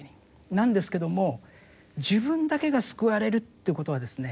なんですけども自分だけが救われるということはですね